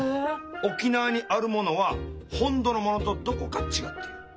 沖縄にあるものは本土のものとどこか違っている。